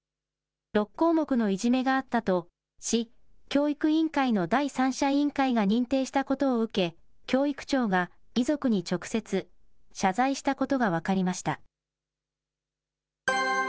６項目のいじめがあったと、市教育委員会の第三者委員会が認定したことを受け、教育長が遺族に直接、謝罪したことが分かりました。